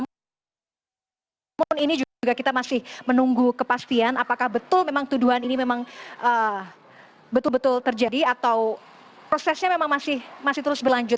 namun ini juga kita masih menunggu kepastian apakah betul memang tuduhan ini memang betul betul terjadi atau prosesnya memang masih terus berlanjut